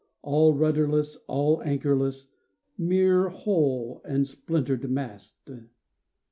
All rudderless, all anchorless — Mere hull and splintered mast."